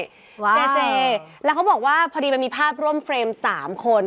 เจวะเจเจแล้วเขาบอกว่าพอดีมันมีภาพร่วมเฟรม๓คน